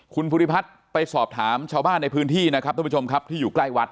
คุณภูริพัฒน์ไปสอบถามชาวบ้านในพื้นที่ที่อยู่ใกล้วัด